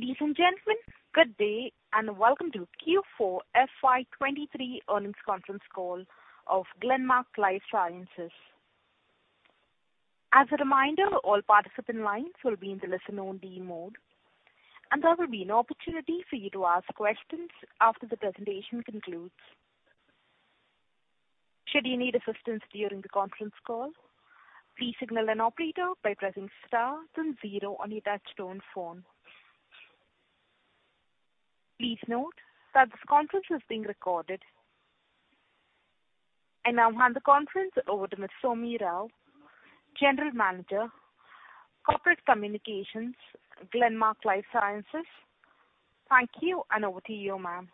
Ladies and gentlemen, good day. Welcome to Q4 FY 2023 earnings conference call of Glenmark Life Sciences. As a reminder, all participant lines will be in the listen-only mode. There will be an opportunity for you to ask questions after the presentation concludes. Should you need assistance during the Conference Call, please signal an operator by pressing star then zero on your touch-tone phone. Please note that this conference is being recorded. I now hand the conference over to Ms. Soumi Rao, General Manager, Corporate Communications, Glenmark Life Sciences. Thank you. Over to you, ma'am.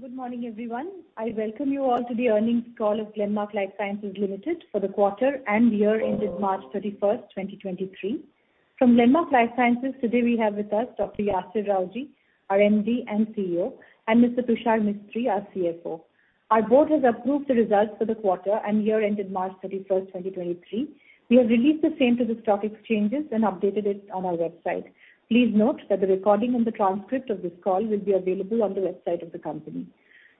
Good morning, everyone. I welcome you all to the earnings call of Glenmark Life Sciences Limited for the quarter and year ended 31st March, 2023. From Glenmark Life Sciences, today we have with us Dr. Yasir Rawjee, our MD and CEO, and Mr. Tushar Mistry, our CFO. Our board has approved the results for the quarter and year ended 31st March 2023. We have released the same to the stock exchanges and updated it on our website. Please note that the recording and the transcript of this call will be available on the website of the company.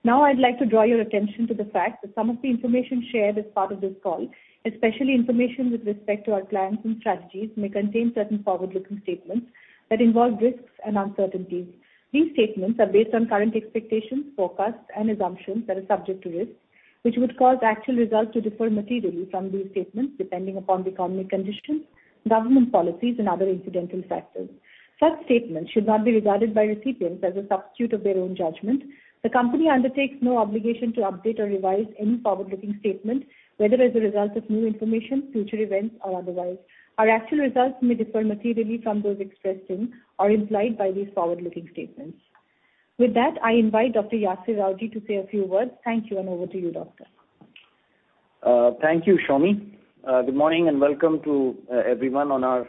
I'd like to draw your attention to the fact that some of the information shared as part of this call, especially information with respect to our plans and strategies, may contain certain forward-looking statements that involve risks and uncertainties. These statements are based on current expectations, forecasts and assumptions that are subject to risks, which would cause actual results to differ materially from these statements, depending upon the economic conditions, government policies and other incidental factors. Such statements should not be regarded by recipients as a substitute of their own judgment. The company undertakes no obligation to update or revise any forward-looking statement, whether as a result of new information, future events or otherwise. Our actual results may differ materially from those expressed in or implied by these forward-looking statements. With that, I invite Dr. Yasir Rawjee to say a few words. Thank you, and over to you, Doctor. Thank you, Soumi. Good morning and welcome to everyone on our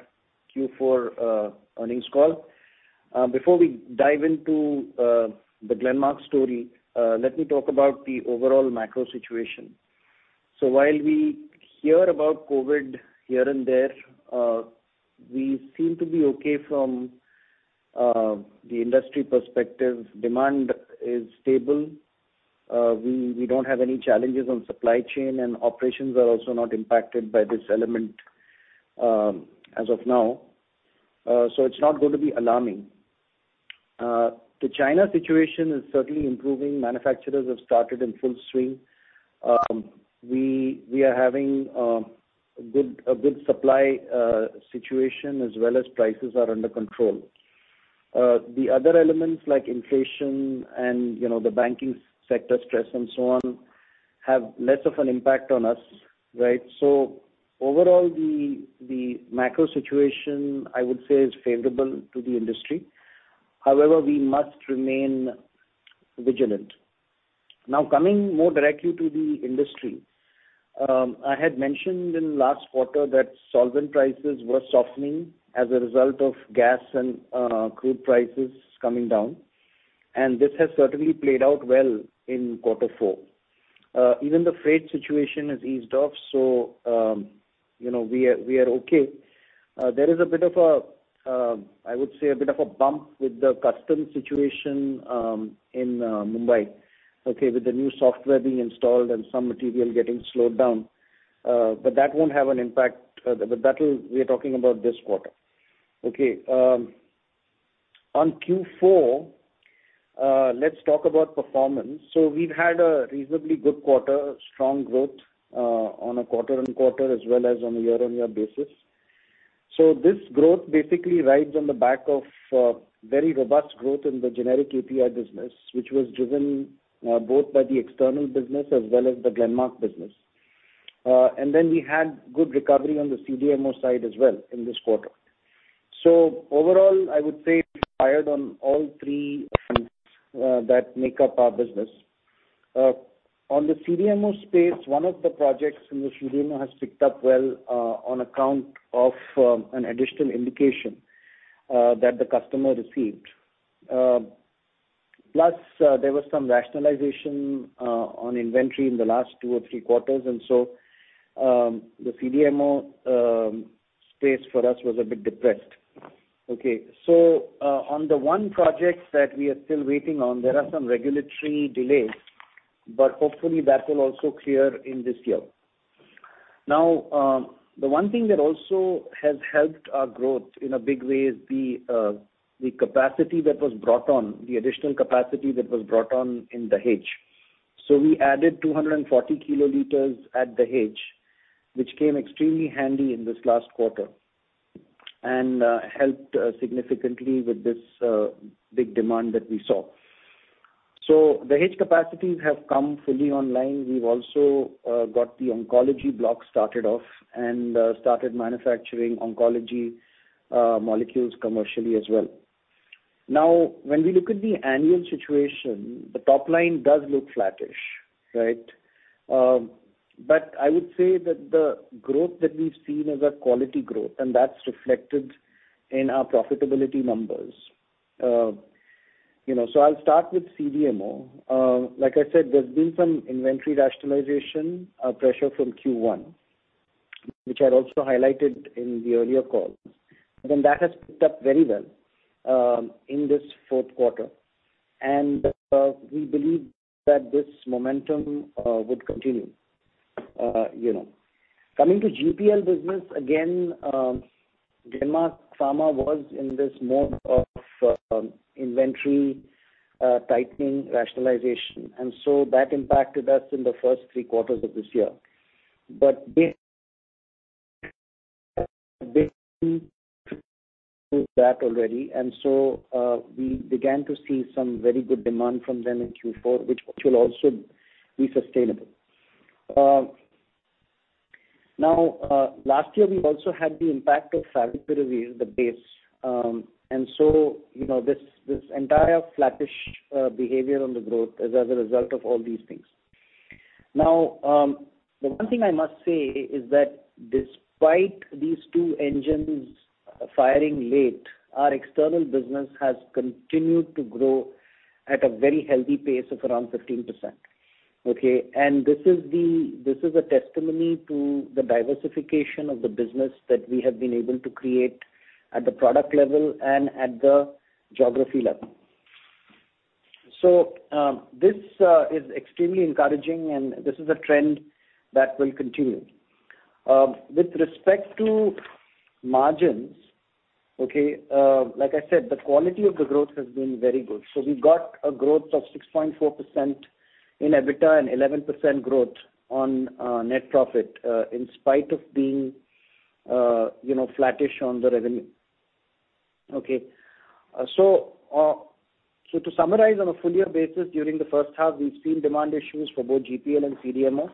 Q4 Earnings call. Before we dive into the Glenmark story, let me talk about the overall macro situation. While we hear about COVID here and there, we seem to be okay from the industry perspective. Demand is stable. We don't have any challenges on supply chain, and operations are also not impacted by this element as of now. It's not going to be alarming. The China situation is certainly improving. Manufacturers have started in full swing. We are having a good supply situation as well as prices are under control. The other elements like inflation and, you know, the banking sector stress and so on have less of an impact on us, right? Overall, the macro situation, I would say, is favorable to the industry. However, we must remain vigilant. Coming more directly to the industry. I had mentioned in last quarter that solvent prices were softening as a result of gas and crude prices coming down, and this has certainly played out well in quarter four. Even the freight situation has eased off, so, you know, we are okay. There is a bit of a bump with the customs situation in Mumbai, okay, with the new software being installed and some material getting slowed down. We are talking about this quarter. Okay. On Q4, let's talk about performance. We've had a reasonably good quarter, strong growth on a quarter-on-quarter as well as on a year-on-year basis. This growth basically rides on the back of very robust growth in the generic API business, which was driven both by the external business as well as the Glenmark business. Then we had good recovery on the CDMO side as well in this quarter. Overall, I would say we fired on all three fronts that make up our business. On the CDMO space, one of the projects in the CDMO has picked up well on account of an additional indication that the customer received. Plus, there was some rationalization on inventory in the last two or three quarters. The CDMO space for us was a bit depressed. Okay, on the one project that we are still waiting on, there are some regulatory delays, but hopefully that will also clear in this year. The one thing that also has helped our growth in a big way is the capacity that was brought on, the additional capacity that was brought on in Dahej. We added 240 KL at Dahej, which came extremely handy in this last quarter and helped significantly with this big demand that we saw. Dahej capacities have come fully online. We've also got the oncology block started off and started manufacturing oncology molecules commercially as well. When we look at the annual situation, the top line does look flattish, right? I would say that the growth that we've seen is a quality growth, and that's reflected in our profitability numbers. You know, so I'll start with CDMO. Like I said, there's been some inventory rationalization, pressure from Q1, which I'd also highlighted in the earlier calls, and that has picked up very well in this fourth quarter. We believe that this momentum would continue. You know, coming to GPL business, again, Glenmark Pharma was in this mode of inventory tightening rationalization. That impacted us in the first three quarters of this year. That already, we began to see some very good demand from them in Q4, which will also be sustainable. Now, last year, we also had the impact of favipiravir, the base. You know, this entire flattish behavior on the growth is as a result of all these things. The one thing I must say is that despite these two engines firing late, our external business has continued to grow at a very healthy pace of around 15%. Okay? This is a testimony to the diversification of the business that we have been able to create at the product level and at the geography level. This is extremely encouraging, and this is a trend that will continue. With respect to margins, like I said, the quality of the growth has been very good. We've got a growth of 6.4% in EBITDA and 11% growth on net profit, in spite of being, you know, flattish on the revenue. Okay. To summarize on a full year basis, during the first half, we've seen demand issues for both GPL and CDMO,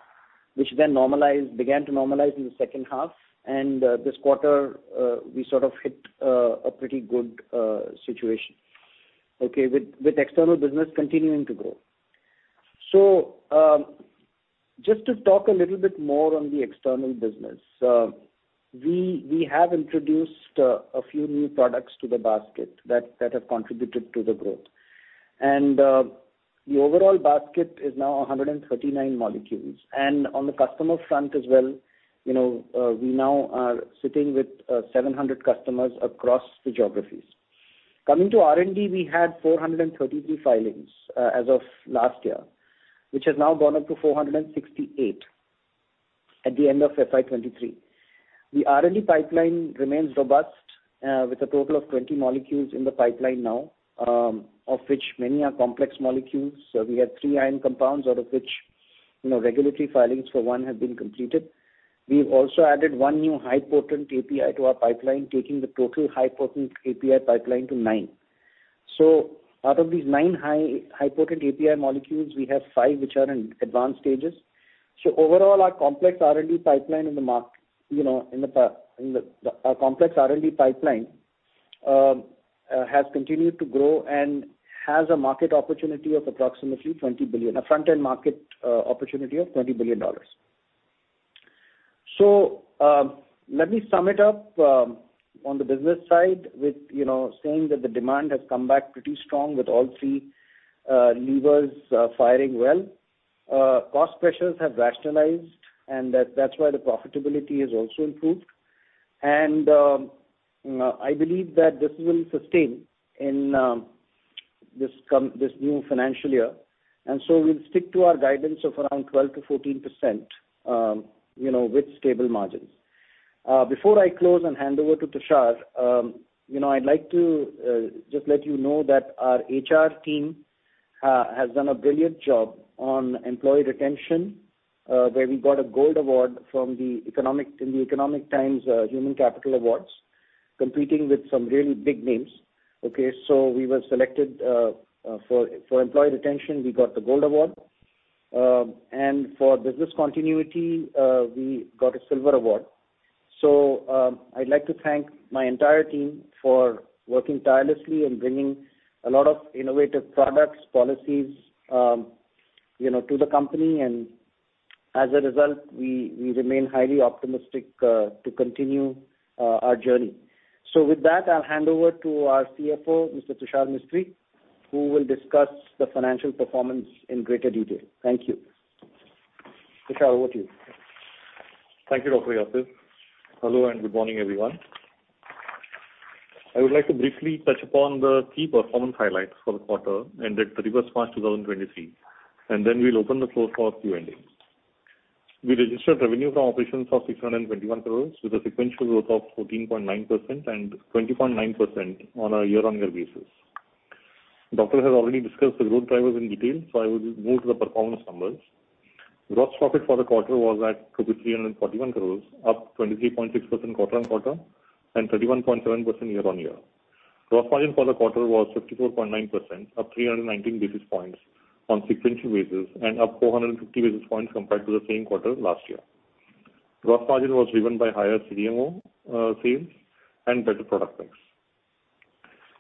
which began to normalize in the second half. This quarter, we sort of hit a pretty good situation, okay, with external business continuing to grow. Just to talk a little bit more on the external business. We have introduced a few new products to the basket that have contributed to the growth. The overall basket is now 139 molecules. On the customer front as well, you know, we now are sitting with 700 customers across the geographies. Coming to R&D, we had 433 filings as of last year, which has now gone up to 468 at the end of FY2023. The R&D pipeline remains robust, with a total of 20 molecules in the pipeline now, of which many are complex molecules. We have threee ion compounds, out of which, you know, regulatory filings for 1 have been completed. We've also added 1 new high-potent API to our pipeline, taking the total high-potent API pipeline to 9. Out of these 9 high-potent API molecules, we have five which are in advanced stages. Overall, our complex R&D pipeline has continued to grow and has a market opportunity of approximately 20 billion. A front-end market opportunity of $20 billion. Let me sum it up on the business side with, you know, saying that the demand has come back pretty strong with all three levers firing well. Cost pressures have rationalized, and that's why the profitability has also improved. I believe that this will sustain in this new financial year. We'll stick to our guidance of around 12% to 14%, you know, with stable margins. Before I close and hand over to Tushar, you know, I'd like to just let you know that our HR team has done a brilliant job on employee retention, where we got a Gold Award from the Economic Times Human Capital Awards, competing with some really big names. We were selected for employee retention, we got the Gold Award. For business continuity, we got a Silver Award. I'd like to thank my entire team for working tirelessly and bringing a lot of innovative products, policies, you know, to the company. As a result, we remain highly optimistic to continue our journey. With that, I'll hand over to our CFO, Mr. Tushar Mistry, who will discuss the financial performance in greater detail. Thank you. Tushar, over to you. Thank you, Dr. Yasir. Hello, good morning, everyone. I would like to briefly touch upon the key performance highlights for the quarter ended 31st March 2023. We'll open the floor for Q&A. We registered revenue from operations of 621 crores with a sequential growth of 14.9% and 20.9% on a year-on-year basis. Doctor has already discussed the growth drivers in detail. I will move to the performance numbers. Gross profit for the quarter was at 341 crores, up 23.6% quarter-on-quarter and 31.7% year-on-year. Gross margin for the quarter was 54.9%, up 319 basis points on sequential basis and up 450 basis points compared to the same quarter last year. Gross margin was driven by higher CDMO sales and better product mix.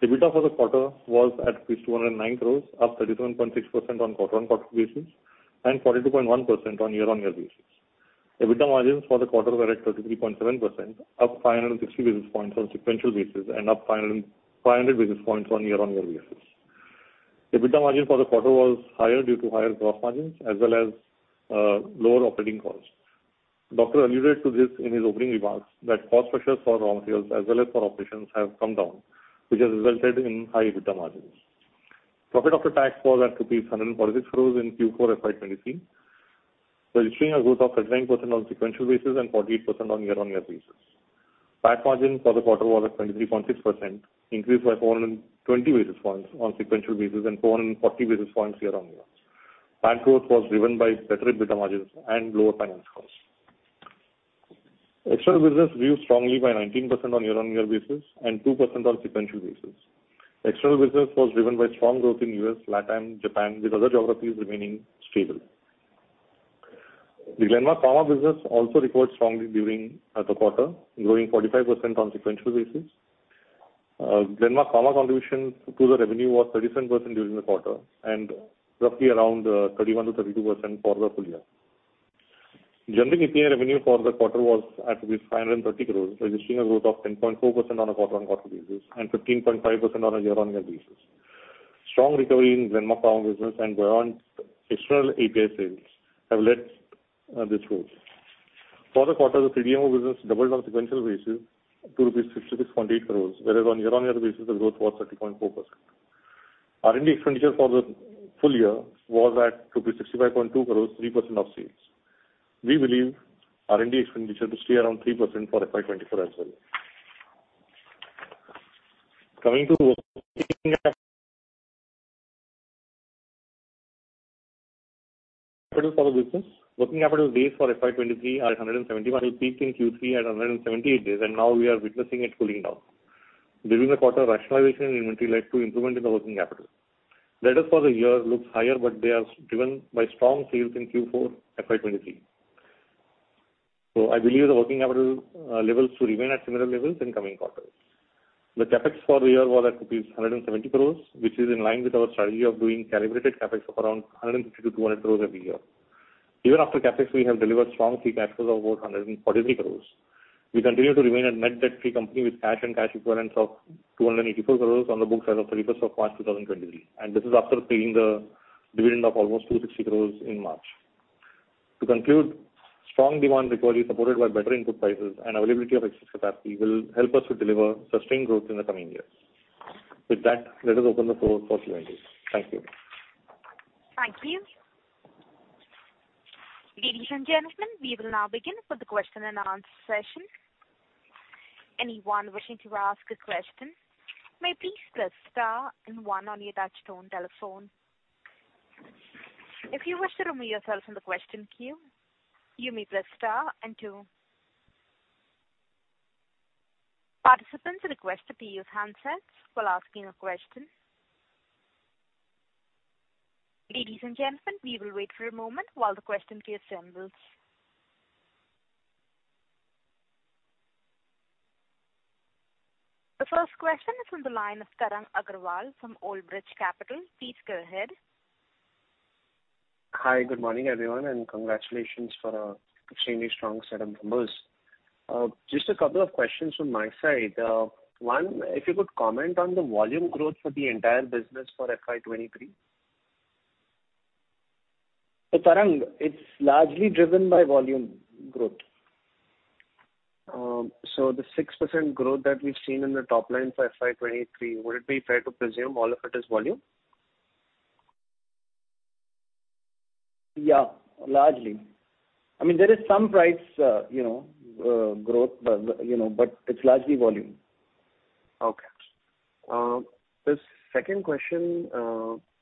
EBITDA for the quarter was at least 209 crores, up 37.6% on quarter-on-quarter basis and 42.1% on year-on-year basis. EBITDA margins for the quarter were at 33.7%, up 560 basis points on sequential basis and up 500 basis points on year-on-year basis. EBITDA margin for the quarter was higher due to higher gross margins as well as lower operating costs. Doctor alluded to this in his opening remarks that cost pressures for raw materials as well as for operations have come down, which has resulted in high EBITDA margins. Profit after tax was at rupees 146 crores in Q4 FY2023, registering a growth of 39% on sequential basis and 48% on year-on-year basis. PAT margin for the quarter was at 23.6%, increased by 420 basis points on sequential basis and 440 basis points year-on-year. PAT growth was driven by better EBITDA margins and lower finance costs. External business grew strongly by 19% on year-on-year basis and 2% on sequential basis. External business was driven by strong growth in US, LatAm, Japan with other geographies remaining stable. The Glenmark Pharmaceuticals business also reported strongly during the quarter, growing 45% on sequential basis. Glenmark Pharmaceuticals contribution to the revenue was 37% during the quarter and roughly around 31%-32% for the full year. Generic API revenue for the quarter was at rupees 530 crores, registering a growth of 10.4% on a quarter-on-quarter basis and 15.5% on a year-on-year basis. Strong recovery in Glenmark Pharmaceuticals business and growth on external API sales have led this growth. For the quarter, the CDMO business doubled on sequential basis to rupees 56.8 crores, whereas on year-on-year basis, the growth was 30.4%. R&D expenditure for the full year was at rupees 65.2 crores, 3% of sales. We believe R&D expenditure to stay around 3% for FY 2024 as well. Coming to for the business, working capital days for FY 2023 are at 171, peaked in Q3 at 178 days. Now we are witnessing it cooling down. During the quarter, rationalization in inventory led to improvement in the working capital. Debtors for the year looks higher, they are driven by strong sales in Q4 FY 2023. I believe the working capital levels to remain at similar levels in coming quarters. The CapEx for the year was at rupees 170 crores, which is in line with our strategy of doing calibrated CapEx of around 150-200 crores every year. Even after CapEx, we have delivered strong free cash flows of about 143 crores. We continue to remain a net debt-free company with cash and cash equivalents of 284 crores on the books as of 31st of March 2023, this is after paying the dividend of almost 260 crores in March. To conclude, strong demand recovery supported by better input prices and availability of excess capacity will help us to deliver sustained growth in the coming years. With that, let us open the floor for Q&A. Thank you. Thank you. Ladies and gentlemen, we will now begin with the question and answer session. Anyone wishing to ask a question may please Press Star and one on your touchtone telephone. If you wish to remove yourself from the question queue, you may press star and two. Participants are requested to use handsets while asking a question. Ladies and gentlemen, we will wait for a moment while the question queue assembles. The first question is from the line of Tarang Agrawal from Old Bridge Capital. Please go ahead. Hi. Good morning, everyone, and congratulations for a extremely strong set of numbers. Just a couple of questions from my side. One, if you could comment on the volume growth for the entire business for FY 2023. Tarang, it's largely driven by volume growth. The 6% growth that we've seen in the top line for FY 2023, would it be fair to presume all of it is volume? Yeah, largely. I mean, there is some price, you know, growth, but, you know, but it's largely volume. Okay. The second question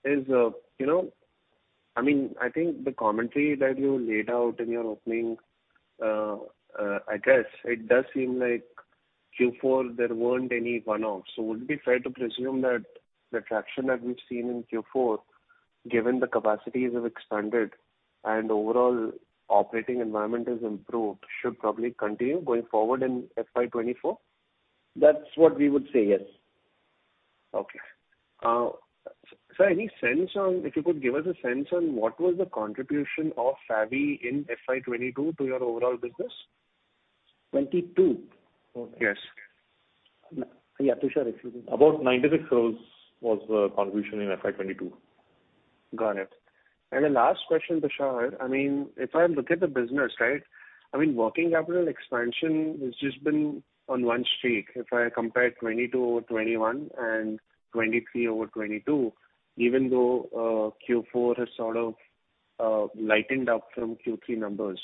is, you know, I mean, I think the commentary that you laid out in your opening, I guess it does seem like Q4 there weren't any one-offs. Would it be fair to presume that the traction that we've seen in Q4, given the capacities have expanded and overall operating environment has improved, should probably continue going forward in FY 2024? That's what we would say, yes. Okay. Any sense on, if you could give us a sense on what was the contribution of favi in FY 2022 to your overall business? 22? Yes. Yeah. Tushar, About 96 crores was the contribution in FY 2022. Got it. The last question, Tushar, I mean, if I look at the business, right, I mean, working capital expansion has just been on one streak. If I compare 2022 over 2021 and 2023 over 2022, even though Q4 has sort of lightened up from Q3 numbers.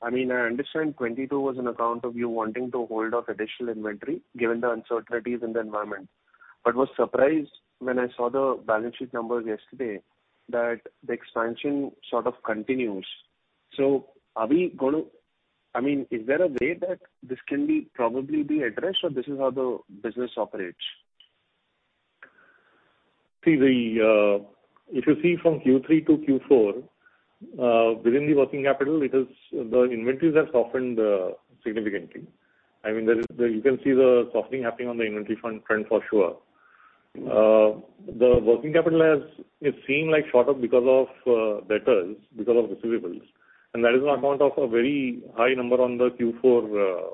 I mean, I understand 2022 was on account of you wanting to hold off additional inventory given the uncertainties in the environment, but was surprised when I saw the balance sheet numbers yesterday that the expansion sort of continues. I mean, is there a way that this can be probably be addressed or this is how the business operates? See the, if you see from Q3 to Q4, within the working capital, it is the inventories have softened, significantly. I mean, there you can see the softening happening on the inventory front for sure. The working capital has, it's seemed like sort of because of, debtors, because of receivables. That is on account of a very high number on the Q4.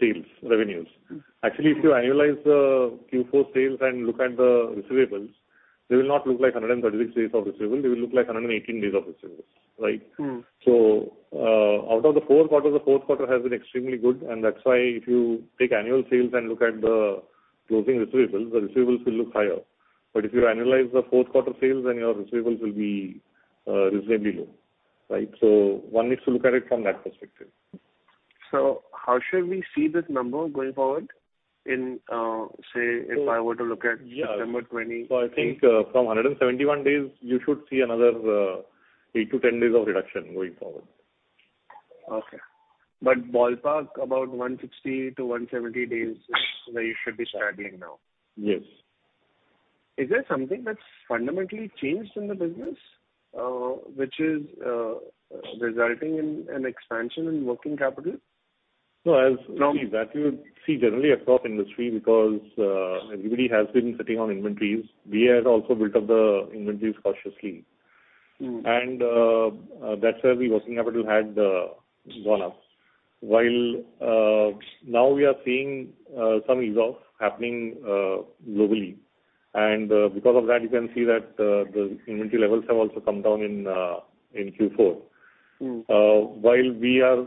Sales, revenues. Mm-hmm. Actually, if you annualize the Q4 sales and look at the receivables, they will not look like 136 days of receivable. They will look like 118 days of receivables, right? Mm-hmm. Out of the four quarters, the fourth quarter has been extremely good. That's why if you take annual sales and look at the closing receivables, the receivables will look higher. If you annualize the fourth quarter sales, then your receivables will be reasonably low, right? One needs to look at it from that perspective. How should we see this number going forward in, say, if I were to look at September? Yeah. I think, from 171 days, you should see another 8-10 days of reduction going forward. Okay. Ballpark about 160-170 days is where you should be standing now. Yes. Is there something that's fundamentally changed in the business, which is resulting in an expansion in working capital? No, No See that you would see generally across industry because everybody has been sitting on inventories. We have also built up the inventories cautiously. Mm-hmm. That's where the working capital had gone up. While, now we are seeing some ease off happening globally. Because of that, you can see that the inventory levels have also come down in Q4. Mm-hmm. While we are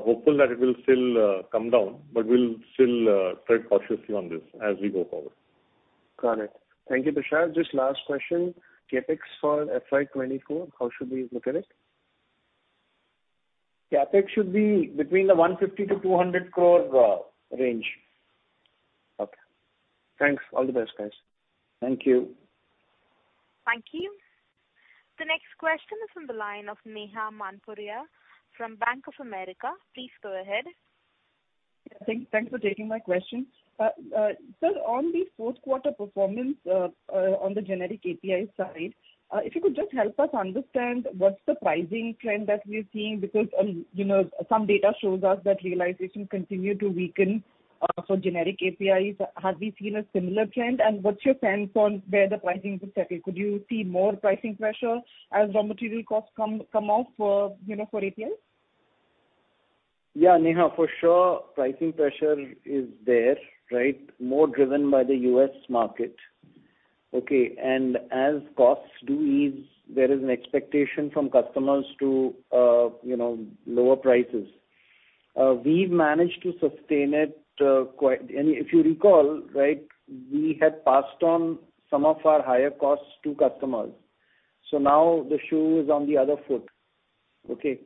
hopeful that it will still come down, but we'll still tread cautiously on this as we go forward. Got it. Thank you, Tushar. Just last question. CapEx for FY 2024, how should we look at it? CapEx should be between the 150 crore-200 crore range. Okay. Thanks. All the best, guys. Thank you. Thank you. The next question is from the line of Neha Manpuria from Bank of America. Please go ahead. Thank you for taking my question. Sir, on the fourth quarter performance, on the generic API side, if you could just help us understand what's the pricing trend that we're seeing, because, you know, some data shows us that realization continue to weaken, for generic APIs. Have we seen a similar trend? What's your sense on where the pricing will settle? Could you see more pricing pressure as raw material costs come off for, you know, for APIs? Yeah, Neha, for sure, pricing pressure is there, right. More driven by the U.S. market. Okay. As costs do ease, there is an expectation from customers to, you know, lower prices. We've managed to sustain it, quite. If you recall, right, we had passed on some of our higher costs to customers. Now the shoe is on the other foot. Okay.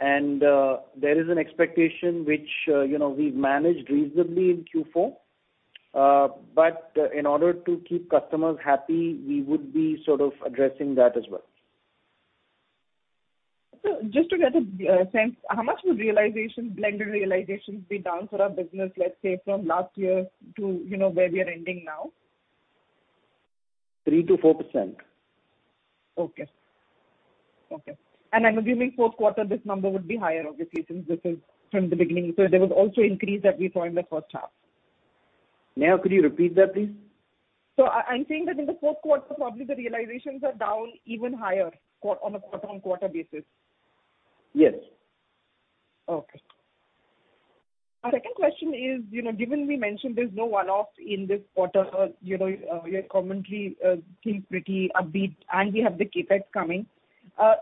There is an expectation which, you know, we've managed reasonably in Q4. In order to keep customers happy, we would be sort of addressing that as well. just to get a sense, how much would realization, blended realization be down for our business, let's say from last year to, you know, where we are ending now? 3%-4%. Okay. Okay. I'm assuming fourth quarter, this number would be higher, obviously, since this is from the beginning. There was also increase that we saw in the first half. Neha, could you repeat that, please? I'm saying that in the fourth quarter, probably the realizations are down even higher on a quarter-on-quarter basis. Yes. Okay. Second question is, you know, given we mentioned there's no one-off in this quarter, you know, your commentary seems pretty upbeat and we have the CapEx coming.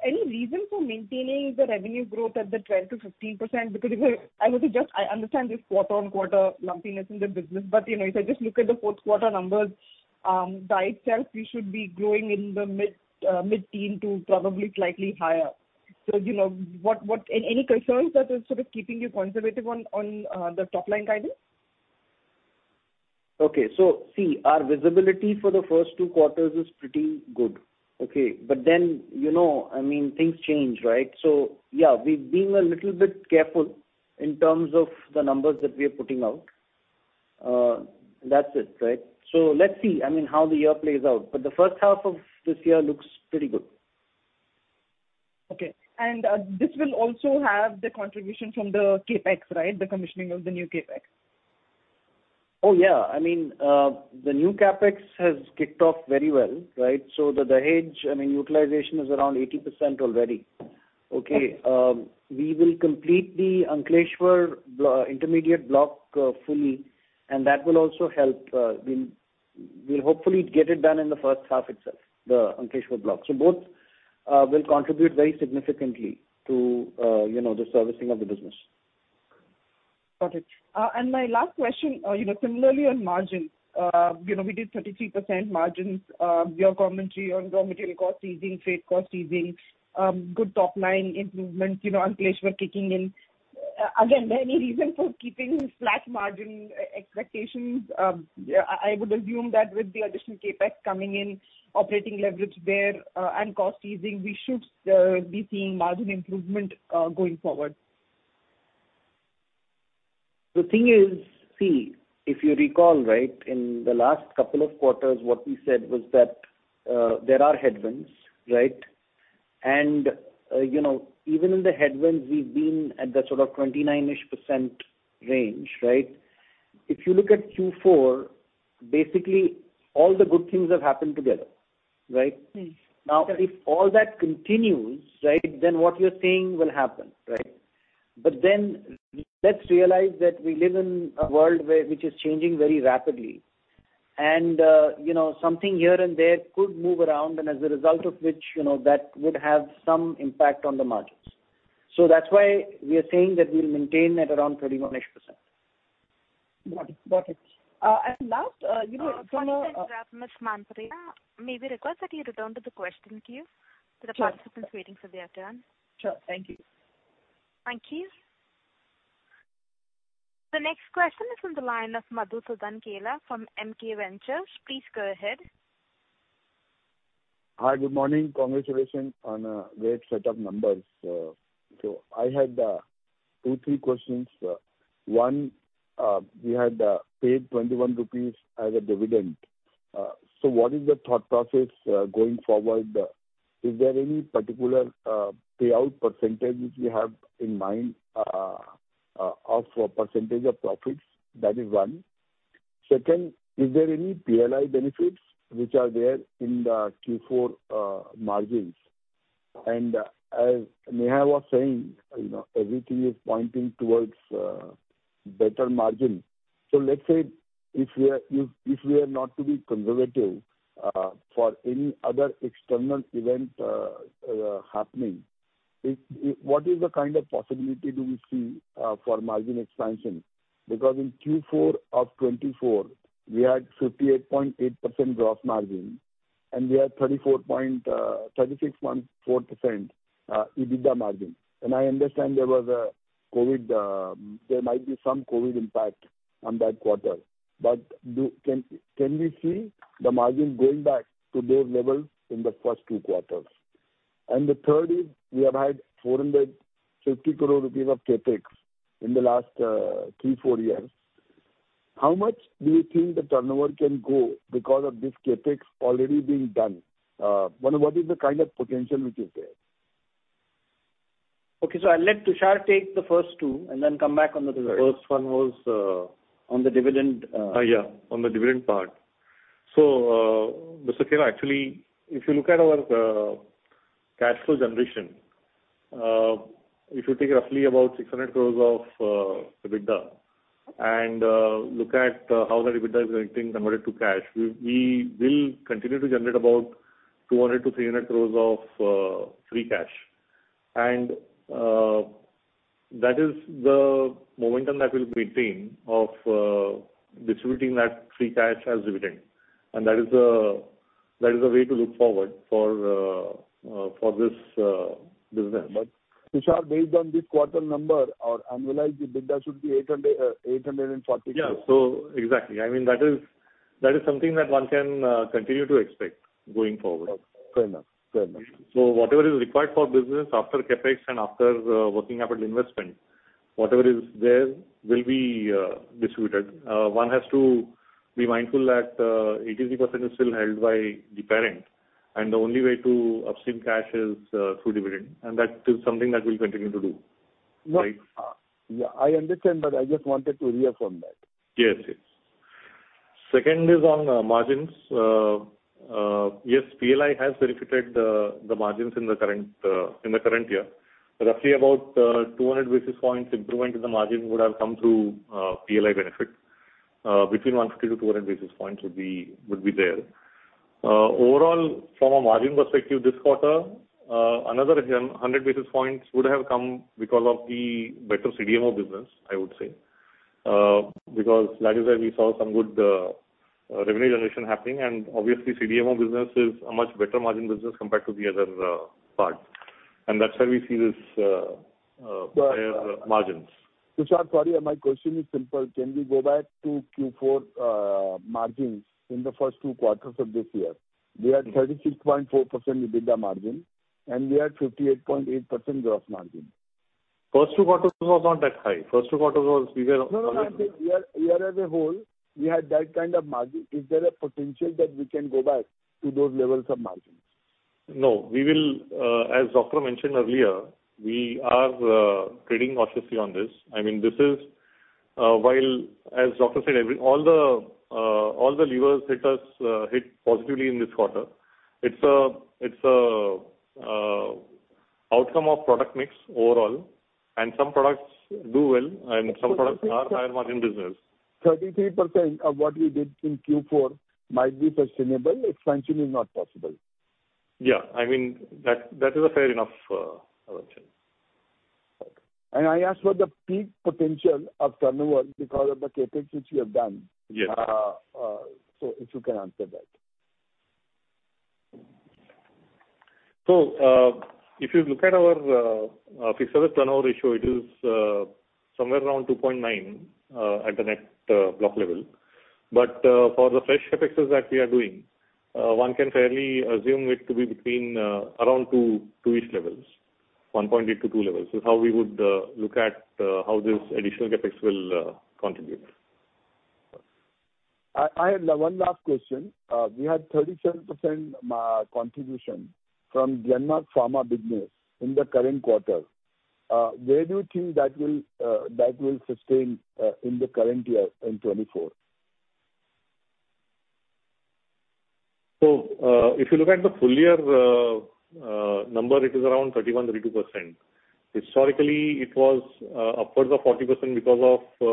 Any reason for maintaining the revenue growth at the 12%-15%? I understand this quarter-on-quarter lumpiness in the business, but, you know, if I just look at the fourth quarter numbers, by itself, you should be growing in the mid-teen to probably slightly higher. You know, what, any concerns that are sort of keeping you conservative on the top line guidance? Okay. See, our visibility for the first two quarters is pretty good. Okay. You know, I mean, things change, right? Yeah, we're being a little bit careful in terms of the numbers that we are putting out. That's it, right. Let's see, I mean, how the year plays out, but the first half of this year looks pretty good. Okay. This will also have the contribution from the CapEx, right? The commissioning of the new CapEx. Yeah. I mean, the new CapEx has kicked off very well, right? The Dahej, I mean, utilization is around 80% already. Okay. Okay. We will complete the Ankleshwar intermediate block fully. That will also help. We'll hopefully get it done in the first half itself, the Ankleshwar block. Both will contribute very significantly to, you know, the servicing of the business. Got it. My last question, you know, similarly on margin. You know, we did 33% margins. Your commentary on raw material costs easing, freight costs easing, good top line improvements, you know, Ankleshwar kicking in. Again, any reason for keeping flat margin expectations? I would assume that with the additional CapEx coming in, operating leverage there, and cost easing, we should be seeing margin improvement going forward. The thing is, see, if you recall, right, in the last couple of quarters, what we said was that there are headwinds, right? You know, even in the headwinds, we've been at that sort of 29% range, right? If you look at Q4, basically all the good things have happened together. Right. If all that continues, right, what you're saying will happen, right? Let's realize that we live in a world which is changing very rapidly. You know, something here and there could move around, and as a result of which, you know, that would have some impact on the margins. That's why we are saying that we'll maintain at around 31-ish%. Got it. Last. One moment, Ms. Manpuria. May we request that you return to the question queue to the participants waiting for their turn? Sure. Thank you. Thank you. The next question is from the line of Madhusudhan Kela from MKVentures. Please go ahead. Hi. Good morning. Congratulations on a great set of numbers. I had two, three questions. One, we had paid 21 rupees as a dividend. What is the thought process going forward? Is there any particular payout percentage which we have in mind of percentage of profits? That is one. Second, is there any PLI benefits which are there in the Q4 margins? As Neha was saying, you know, everything is pointing towards better margin. Let's say if we are not to be conservative for any other external event happening, what is the kind of possibility do we see for margin expansion? In Q4 of 2024 we had 58.8% gross margin, and we had 36.4% EBITDA margin. I understand there was COVID, there might be some COVID impact on that quarter. Can we see the margin going back to their levels in the first two quarters? The third is we have had 450 crore rupees of CapEx in the last 3-4 years. How much do you think the turnover can go because of this CapEx already being done? What is the kind of potential which is there? Okay. I'll let Tushar take the first two and then come back on the third. The first one was. On the dividend. Yeah, on the dividend part. Mr. Kela, actually, if you look at our cash flow generation, if you take roughly about 600 crores of EBITDA and look at how the EBITDA is getting converted to cash, we will continue to generate about 200-300 crores of free cash. That is the momentum that we'll maintain of distributing that free cash as dividend. That is the way to look forward for this business. Tushar, based on this quarter number our annualized EBITDA should be 840 crore. Yeah. Exactly. I mean, that is something that one can continue to expect going forward. Okay. Fair enough. Fair enough. Whatever is required for business after CapEx and after working capital investment, whatever is there will be distributed. One has to be mindful that 80% is still held by the parent, and the only way to upstream cash is through dividend, and that is something that we'll continue to do. Right? Yeah, I understand, but I just wanted to reaffirm that. Yes. Yes. Second is on margins. PLI has benefited the margins in the current year. Roughly about 200 basis points improvement in the margin would have come through PLI benefit. Between 150-200 basis points would be there. Overall from a margin perspective this quarter, another 100 basis points would have come because of the better CDMO business, I would say. Because that is where we saw some good revenue generation happening. CDMO business is a much better margin business compared to the other parts. But higher margins. Tushar, sorry, my question is simple. Can we go back to Q4 margins in the first two quarters of this year? We had 36.4% EBITDA margin, and we had 58.8% gross margin. First two quarters was not that high. First two quarters was. No. I mean year as a whole, we had that kind of margin. Is there a potential that we can go back to those levels of margins? No. We will, as Dr. mentioned earlier, we are treading cautiously on this. I mean, this is while, as Dr. said, all the levers hit us, hit positively in this quarter. It's a outcome of product mix overall, and some products do well and some products are higher margin business. 33% of what we did in Q4 might be sustainable, expansion is not possible. Yeah. I mean, that is a fair enough assumption. Okay. I asked for the peak potential of turnover because of the CapEx which you have done. Yes. If you can answer that. If you look at our fixed asset turnover ratio, it is somewhere around 2.9 at the net block level. For the fresh CapExes that we are doing, one can fairly assume it to be between around 2 levels. 1.8-2 levels is how we would look at how this additional CapEx will contribute. I have one last question. We had 37% contribution from Glenmark Pharma business in the current quarter. Where do you think that will sustain in the current year, in 2024? If you look at the full year number, it is around 31%-32%. Historically, it was upwards of 40% because of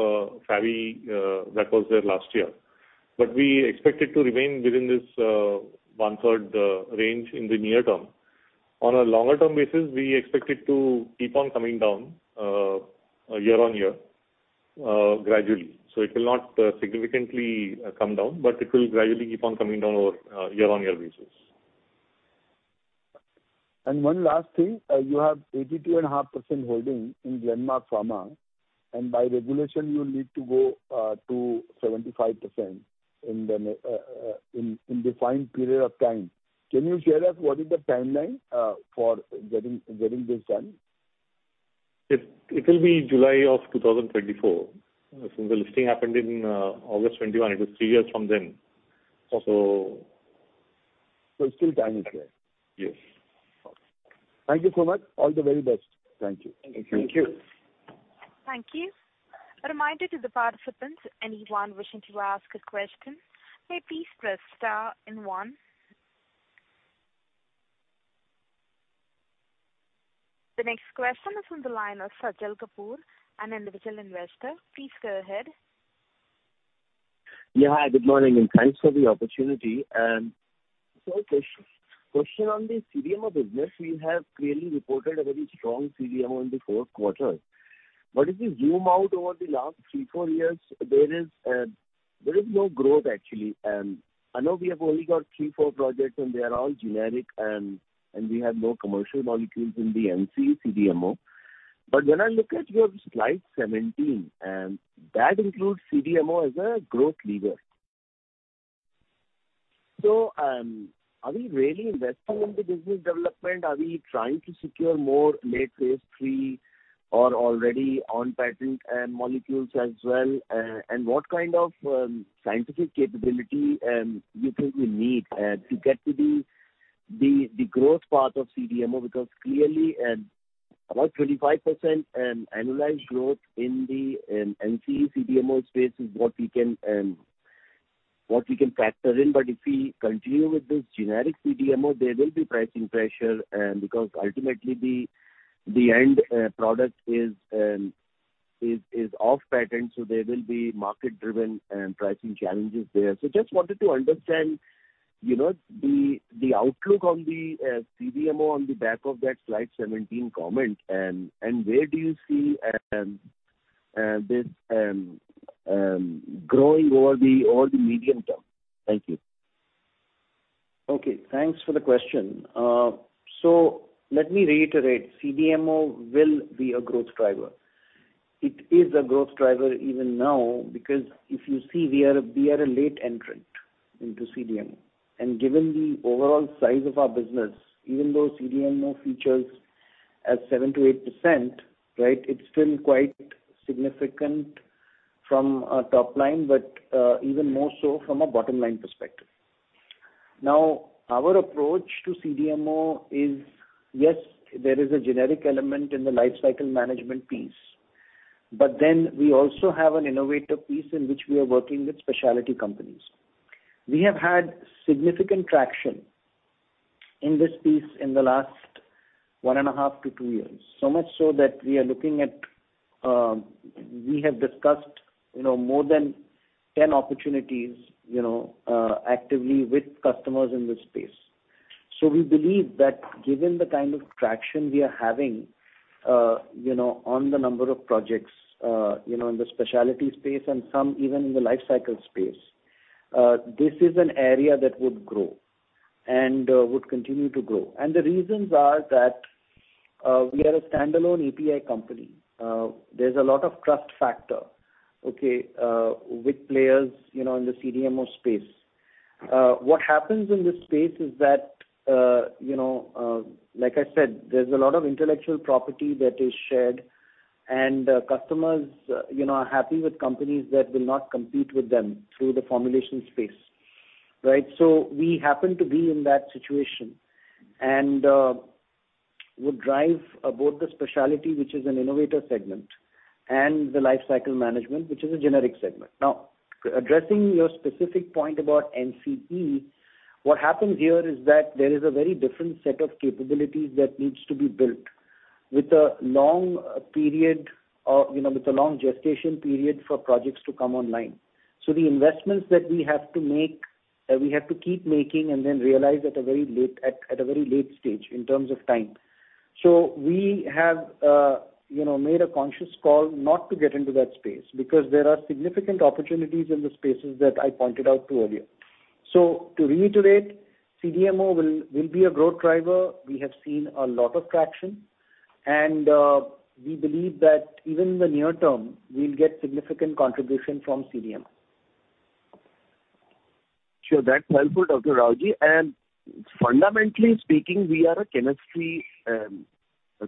favi that was there last year. We expect it to remain within this one-third range in the near term. On a longer term basis, we expect it to keep on coming down year-on-year gradually. It will not significantly come down, but it will gradually keep on coming down over a year-on-year basis. One last thing. You have 82.5% holding in Glenmark Pharmaceuticals, and by regulation you will need to go to 75% in defined period of time. Can you share us what is the timeline for getting this done? It will be July of 2024. Since the listing happened in August 2021, it was three years from then. Still time is there. Yes. Thank you so much. All the very best. Thank you. Thank you. Thank you. Thank you. A reminder to the participants, anyone wishing to ask a question, may please press star and one. The next question is on the line of Sajal Kapur, an individual investor. Please go ahead. Yeah. Hi, good morning, and thanks for the opportunity. Question on the CDMO business. You have clearly reported a very strong CDMO in the fourth quarter. If you zoom out over the last three, four years, there is no growth actually. I know we have only got three, four projects and they are all generic, and we have no commercial molecules in the non-GPL CDMO. When I look at your slide 17, that includes CDMO as a growth leader. Are we really investing in the business development? Are we trying to secure more late phase III or already on patent molecules as well? What kind of scientific capability you think we need to get to the growth part of CDMO? Clearly, about 25% annualized growth in the non-GPL CDMO space is what we can factor in. If we continue with this generic CDMO, there will be pricing pressure, because ultimately the end product is off patent, so there will be market driven and pricing challenges there. Just wanted to understand, you know, the outlook on the CDMO on the back of that slide 17 comment, and where do you see this growing over the medium term? Thank you. Okay, thanks for the question. Let me reiterate, CDMO will be a growth driver. It is a growth driver even now, because if you see, we are a late entrant into CDMO. Given the overall size of our business, even though CDMO features at 7%-8%, right, it's still quite significant from a top line, even more so from a bottom line perspective. Our approach to CDMO is, yes, there is a generic element in the lifecycle management piece. We also have an innovator piece in which we are working with specialty companies. We have had significant traction in this piece in the last 1.5-2 years. Much so that we are looking at, we have discussed, you know, more than 10 opportunities, you know, actively with customers in this space. We believe that given the kind of traction we are having, you know, on the number of projects, you know, in the specialty space and some even in the life cycle space, this is an area that would grow and would continue to grow. The reasons are that we are a standalone API company. There's a lot of trust factor, okay, with players, you know, in the CDMO space. What happens in this space is that, you know, like I said, there's a lot of intellectual property that is shared, and customers, you know, are happy with companies that will not compete with them through the formulation space, right? We happen to be in that situation and would drive both the specialty, which is an innovator segment, and the life cycle management, which is a generic segment. Addressing your specific point about NCE, what happens here is that there is a very different set of capabilities that needs to be built with a long period, or, you know, with a long gestation period for projects to come online. The investments that we have to make, we have to keep making and then realize at a very late stage in terms of time. We have, you know, made a conscious call not to get into that space because there are significant opportunities in the spaces that I pointed out to earlier. To reiterate, CDMO will be a growth driver. We have seen a lot of traction, and we believe that even in the near term we'll get significant contribution from CDMO. Sure. That's helpful, Dr. Rawjee. Fundamentally speaking, we are a chemistry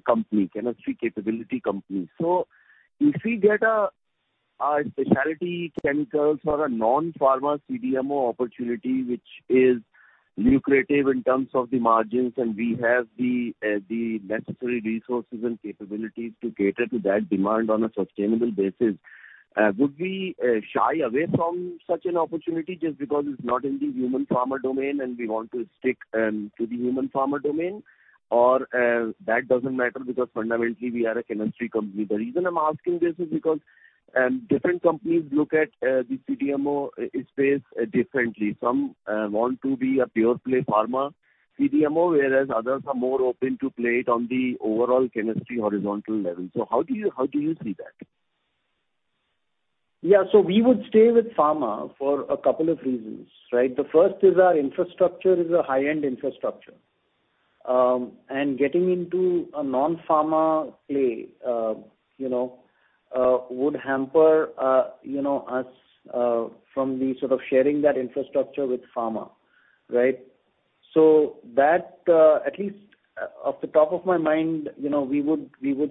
company, chemistry capability company. If we get Our specialty chemicals are a non-pharma CDMO opportunity, which is lucrative in terms of the margins, and we have the necessary resources and capabilities to cater to that demand on a sustainable basis. Would we shy away from such an opportunity just because it's not in the human pharma domain and we want to stick to the human pharma domain? That doesn't matter because fundamentally we are a chemistry company. The reason I'm asking this is because different companies look at the CDMO space differently. Some want to be a pure play pharma CDMO, whereas others are more open to play it on the overall chemistry horizontal level. How do you see that? We would stay with pharma for a couple of reasons, right? The first is our infrastructure is a high-end infrastructure. Getting into a non-pharma play, you know, would hamper, you know, us from the sort of sharing that infrastructure with pharma, right? That, at least, off the top of my mind, you know, we would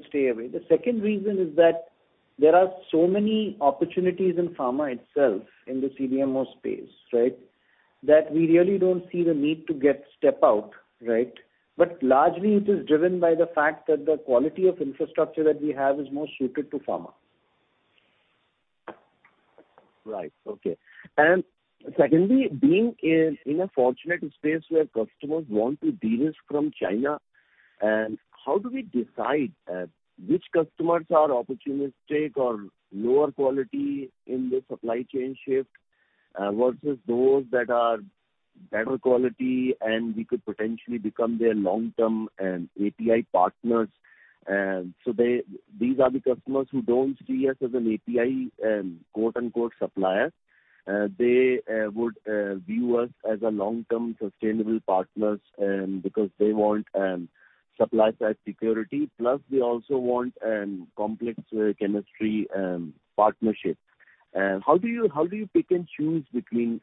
stay away. The second reason is that there are so many opportunities in pharma itself in the CDMO space, right? We really don't see the need to get step out, right? Largely it is driven by the fact that the quality of infrastructure that we have is more suited to pharma. Right. Okay. Secondly, being in a fortunate space where customers want to de-risk from China, and how do we decide which customers are opportunistic or lower quality in the supply chain shift versus those that are better quality and we could potentially become their long-term API partners. These are the customers who don't see us as an API, quote, unquote, "supplier." They would view us as a long-term sustainable partners because they want supply side security, plus they also want complex chemistry partnerships. How do you pick and choose between